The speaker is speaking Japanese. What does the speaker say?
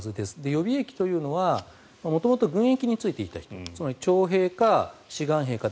予備役というのは元々、軍役に就いていた人つまり徴兵が志願兵か。